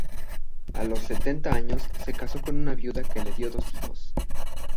A los setenta años se casó con una viuda que le dio dos hijos.